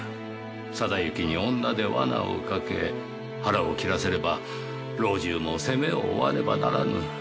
定行に女で罠をかけ腹を切らせれば老中も責めを負わねばならぬ。